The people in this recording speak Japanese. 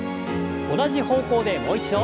同じ方向でもう一度。